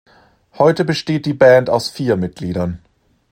Heute besteht die Band aus vier Mitgliedern.